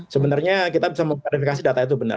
sebenarnya kita bisa mengklarifikasi data itu benar